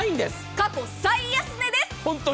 過去最安値です！